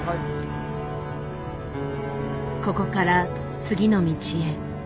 ここから次の道へ。